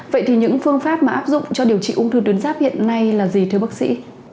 vậy thì những phương pháp mà áp dụng cho điều trị ung thư tuyến giáp hiện nay là gì thưa bác sĩ